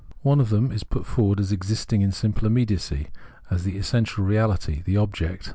One of them is put forward in it as existing in simple immediacy, as the essential reality, the object.